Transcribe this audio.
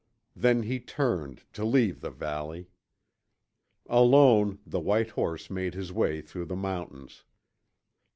Then he turned to leave the valley. Alone, the white horse made his way through the mountains.